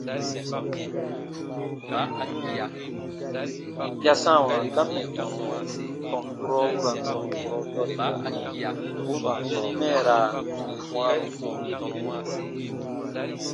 Ya sãawa dam mɛ̀ tɔn durɔ u ra n tɔn kurɔ dɔremɔ, u n nùn mɛɛraa nde bwãaroku.